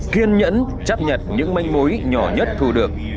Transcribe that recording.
kiên nhẫn chấp nhật những manh mối nhỏ nhất thu được